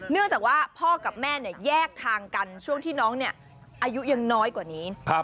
เนื่องจากว่าพ่อกับแม่แยกทางกันช่วงที่น้องอายุยังน้อยกว่านี้